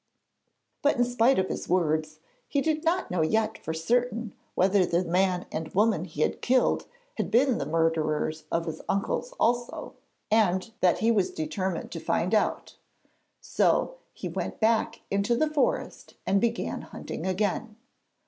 But in spite of his words, he did not know yet for certain whether the man and woman he had killed had been the murderers of his uncles also, and that he was determined to find out. So he soon went back into the forest and began hunting again.